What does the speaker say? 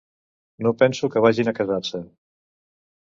No penso que vagin a casar-se.